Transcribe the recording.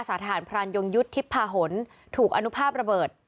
สี่สิบ